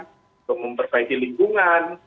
untuk memperbaiki lingkungan